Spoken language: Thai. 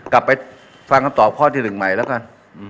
กลับไปฟังคำตอบข้อที่๑ใหม่แล้วกัน